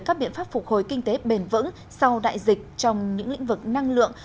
các biện pháp phục hồi kinh tế bền vững sau đại dịch trong những lĩnh vực năng lượng